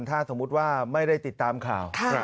ถ้าสมมุติว่าไม่ได้ติดตามข่าว